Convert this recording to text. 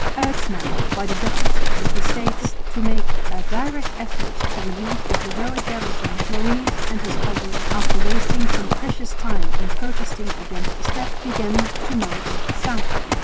Urged now by the deputies of the States to make a direct effort to relieve the heroic garrison, Maurice and his cousin, after wasting some precious time in protesting against the step, began to march southward.